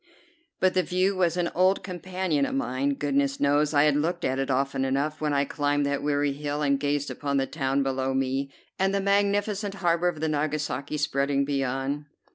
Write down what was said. But the view was an old companion of mine; goodness knows I had looked at it often enough when I climbed that weary hill and gazed upon the town below me, and the magnificent harbor of Nagasaki spreading beyond.